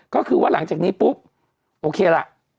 ก็คือว่าหลังจากนี้ปุ๊บโอเคล่ะ